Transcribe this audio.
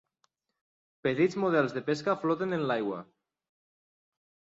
Petits models de pesca floten en l'aigua.